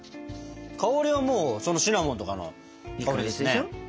香りはもうシナモンとかの香りですね。